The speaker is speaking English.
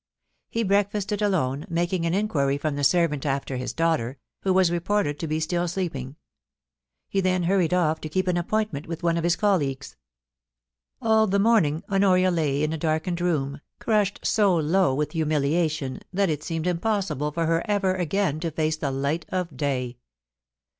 He breakfasted alone, making an inquiry from the servant after his daughter, who was reported to be still sleeping ; he then hurried off to keep an appointment with one of his colleagues. All the morning Honoria lay in a darkened room, crushed so low with humiliation that it seemed impossible for her ever again to face the light of day.